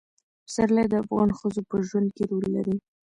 پسرلی د افغان ښځو په ژوند کې رول لري.